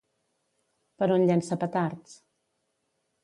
Per on llença petards?